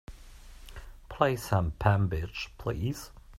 Play some pambiche please